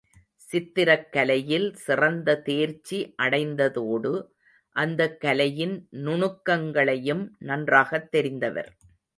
சித்திரக் கலையில் சிறந்த தேர்ச்சி அடைந்ததோடு அந்தக் கலையின் நுணுக்கங்களையும் நன்றாகத் தெரிந்தவர்.